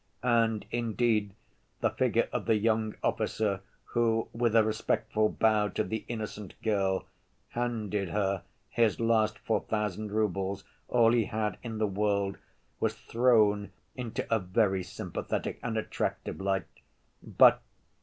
And, indeed, the figure of the young officer who, with a respectful bow to the innocent girl, handed her his last four thousand roubles—all he had in the world—was thrown into a very sympathetic and attractive light, but